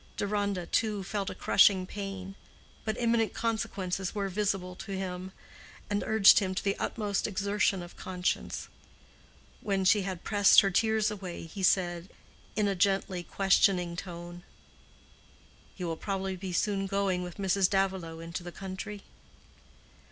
Deronda, too, felt a crushing pain; but imminent consequences were visible to him, and urged him to the utmost exertion of conscience. When she had pressed her tears away, he said, in a gently questioning tone, "You will probably be soon going with Mrs. Davilow into the country."